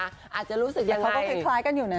เท่า่างเขาก็คล้ายกันอยู่นะ